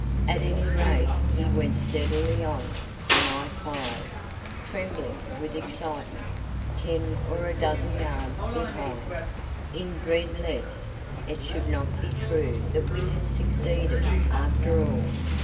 At any rate he went steadily on, and I followed, trembling with excitement, ten or a dozen yards behind, in dread lest it should not be true that we had succeeded after all.